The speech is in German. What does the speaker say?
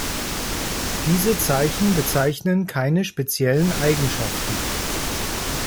Diese Zeichen bezeichnen keine speziellen Eigenschaften.